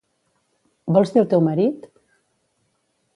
Vols dir el teu marit?